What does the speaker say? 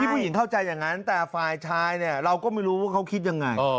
ผู้หญิงเข้าใจอย่างนั้นแต่ฝ่ายชายเนี่ยเราก็ไม่รู้ว่าเขาคิดยังไง